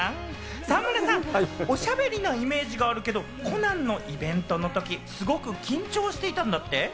沢村さん、おしゃべりなイメージがあるけど、コナンのイベントの時、すごく緊張していたんだって？